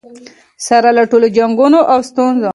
سره له ټولو جنګونو او ستونزو.